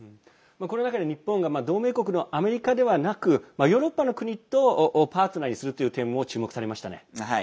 これだけで日本が同盟国のアメリカではなくヨーロッパの国とパートナーにするという点も注目されましたね。